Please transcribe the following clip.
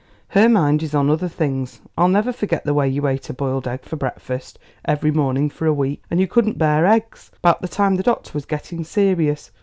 Her mind is on other things. I'll never forget the way you ate a boiled egg for breakfast every morning for a week and you couldn't bear eggs about the time the doctor was getting serious.